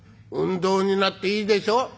「運動になっていいでしょう？」。